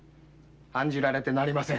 案じられてなりません。